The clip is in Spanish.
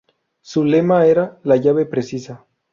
Su lema era ""La llave precisa"".